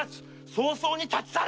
早々に立ち去れ！